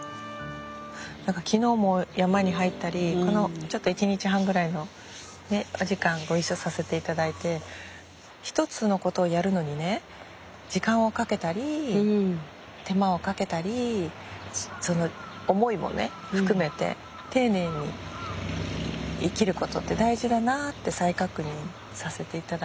昨日も山に入ったりこのちょっと１日半ぐらいのお時間ご一緒させていただいて一つのことをやるのにね時間をかけたり手間をかけたりその思いもね含めて丁寧に生きることって大事だなって再確認させていただいたんですけど。